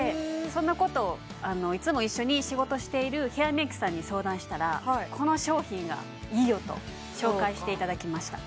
そのことをいつも一緒に仕事しているヘアメイクさんに相談したらこの商品がいいよと紹介していただきました